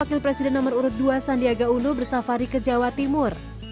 wakil presiden nomor urut dua sandiaga uno bersafari ke jawa timur